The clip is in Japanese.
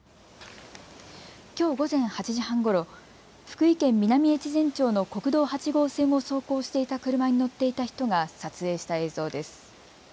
きょう午前８時半ごろ、福井県南越前町の国道８号線を走行していた車に乗っていた人が撮影した映像です。